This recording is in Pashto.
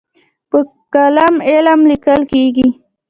په قلم علم لیکل کېږي.